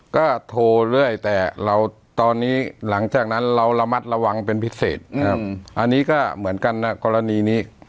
ก็โทรเรื่อยแต่เราตอนนี้หลังจากนั้นเราระมัดระวังเป็นพิเศษนะครับอันนี้ก็เหมือนกันนะกรณีนี้